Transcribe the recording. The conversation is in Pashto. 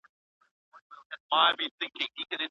په وچو شونډو ښکل کړل